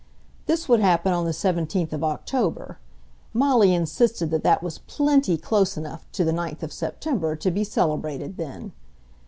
This would happen on the seventeenth of October. Molly insisted that that was PLENTY close enough to the ninth of September to be celebrated then.